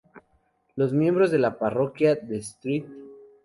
Los miembros de la parroquia de St.